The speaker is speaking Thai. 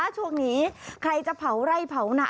ช่วงนี้ใครจะเผาไร่เผาหนา